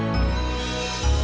misalkan aku penipu